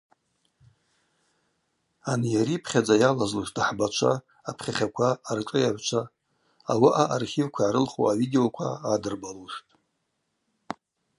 Анйарипхьадза йалазлуштӏ ахӏбачва, апхьахьаква, аршӏыйагӏвчва, ауаъа архивква йгӏарылху авидеоква гӏадырбалуштӏ.